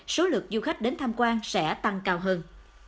số lượng du khách đến tham quan sẽ tăng cao hơn